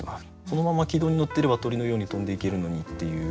そのまま軌道にのってれば鳥のように飛んでいけるのにっていう。